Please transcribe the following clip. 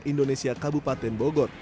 indonesia kabupaten bogor